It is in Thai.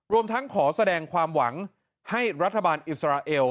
รวมทั้งขอแสดงความหวังให้รัฐบาลอิสราเอล